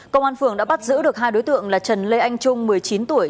công an phường đã bắt giữ được hai đối tượng là trần lê anh trung một mươi chín tuổi